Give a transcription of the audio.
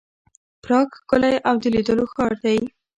پراګ ښکلی او د لیدلو ښار دی.